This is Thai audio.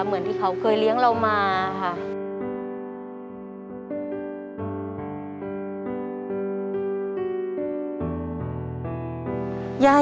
เหมือนที่เขาเคยเลี้ยงเรามาค่ะ